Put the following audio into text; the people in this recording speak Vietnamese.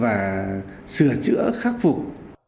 và sửa chữa khắc phục